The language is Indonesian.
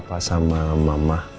tak ada jambat